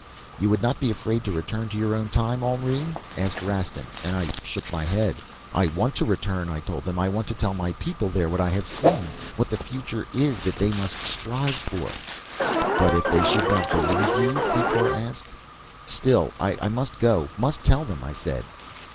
"'You would not be afraid to return to your own time, Henri?' asked Rastin, and I shook my head. "'I want to return to it,' I told them. 'I want to tell my people there what I have seen what the future is that they must strive for.' "'But if they should not believe you?' Thicourt asked. "'Still I must go must tell them,' I said.